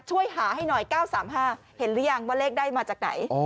ช่วยหาให้หน่อย๙๓๕เห็นหรือยังว่าเลขได้มาจากไหน